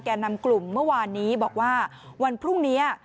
นำกลุ่มเมื่อวานนี้บอกว่าวันพรุ่งนี้